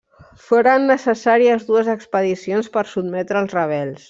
Foren necessàries dues expedicions per sotmetre als rebels.